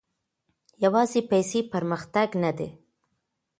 يوازي پيسې پرمختګ نه دی.